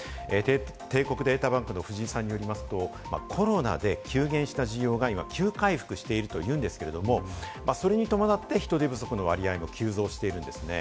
帝国データバンクの藤井さんよりますと、コロナで急減した事業が急回復しているというんですけれども、それに伴って、人手不足の割合も急増しているんですね。